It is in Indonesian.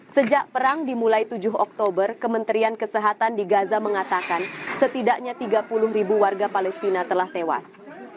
sejak perang dimulai tujuh oktober kementerian kesehatan di gaza mengatakan setidaknya tiga puluh ribu warga palestina telah tewas